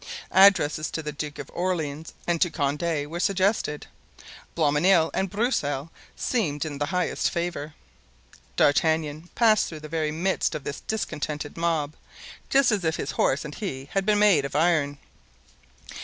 Addresses to the Duke of Orleans and to Condé were suggested. Blancmesnil and Broussel seemed in the highest favor. D'Artagnan passed through the very midst of this discontented mob just as if his horse and he had been made of iron.